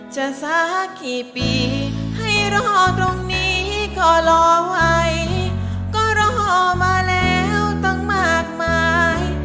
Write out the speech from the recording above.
สักกี่ปีให้รอตรงนี้ก็รอไว้ก็รอมาแล้วตั้งมากมาย